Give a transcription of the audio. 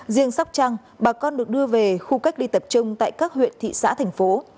riêng sóc trăng bà con được đưa về khu cách ly tập trung tại các huyện thị xã thành phố